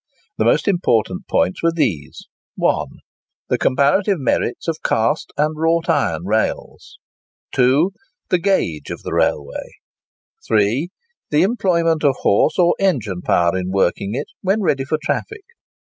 The most important points were these: 1. The comparative merits of cast and wrought iron rails. 2. The gauge of the railway. 3. The employment of horse or engine power in working it, when ready for traffic.